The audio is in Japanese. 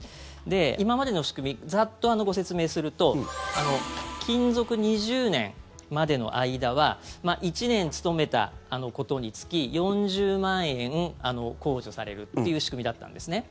今までの仕組みざっとご説明すると勤続２０年までの間は１年勤めたごとにつき４０万円控除されるという仕組みだったんですね。